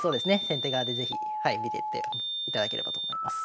先手側で是非見てっていただければと思います。